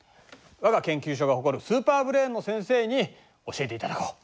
我が研究所が誇るスーパーブレーンの先生に教えていただこう。